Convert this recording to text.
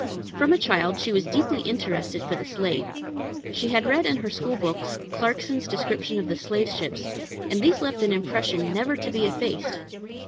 From a child she was deeply interested for the slave. She had read in her school books Clarkson's description of the slave ships, and these left an impression never to be effaced.